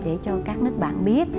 để cho các nước bạn biết